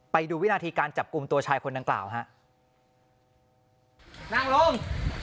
ไปดูวินาทีการจับกลุ่มตัวชายคนดังกล่าวฮะนางลม